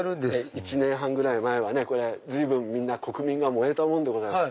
１年半ぐらい前は随分国民が燃えたもんでございます。